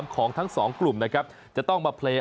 ของทั้ง๒กลุ่มนะครับจะต้องมา